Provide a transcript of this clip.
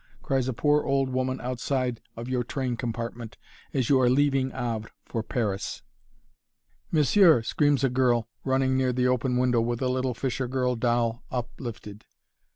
cries a poor old woman outside of your train compartment, as you are leaving Havre for Paris. "Monsieur!" screams a girl, running near the open window with a little fishergirl doll uplifted.